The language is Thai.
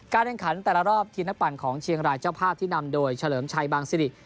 แห่งขันแต่ละรอบทีมนักปั่นของเชียงรายเจ้าภาพที่นำโดยเฉลิมชัยบางสิริ